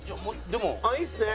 ああいいっすね。